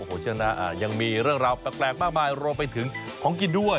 โอ้โหเชื่อนสนายังมีเรื่องราวแปลกมากมายโปรดต่อไปถึงของกินด้วย